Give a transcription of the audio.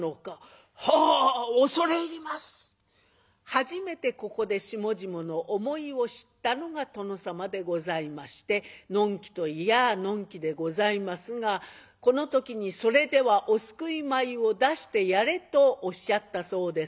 初めてここで下々の思いを知ったのが殿様でございましてのんきと言やあのんきでございますがこの時に「それではお救い米を出してやれ」とおっしゃったそうです。